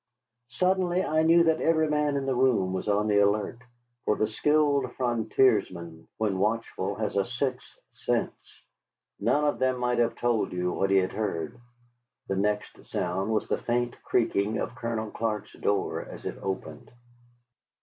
Suddenly I knew that every man in the room was on the alert, for the skilled frontiersman, when watchful, has a sixth sense. None of them might have told you what he had heard. The next sound was the faint creaking of Colonel Clark's door as it opened.